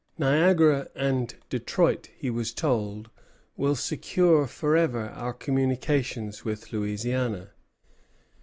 "Niagara and Detroit," he was told, "will secure forever our communications with Louisiana."